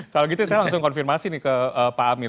kalau gitu saya langsung konfirmasi nih ke pak amir